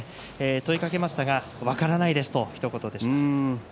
問いかけましたが分からないです、とひと言でした。